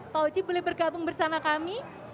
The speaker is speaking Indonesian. pak oji boleh bergabung bersama kami